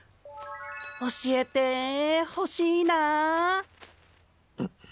教えてほしいな。